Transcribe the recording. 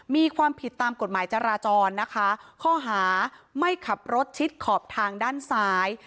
มีความผิดตามกฎหมายจราจรนะคะข้อหาไม่ขับรถชิดขอบทางด้านซ้าย